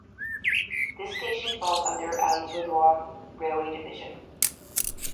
This station falls under Alipurduar railway division.